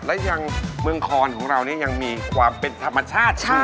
และยังเมืองคอนของเรานี่ยังมีความเป็นธรรมชาติอยู่